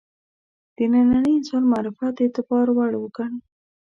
د ننني انسان معرفت د اعتبار وړ وګڼو.